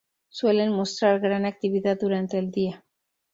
Suelen mostrar gran actividad durante el día.